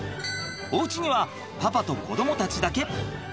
おうちにはパパと子どもたちだけ。